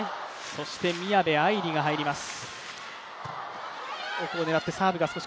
そして宮部藍梨が入ります。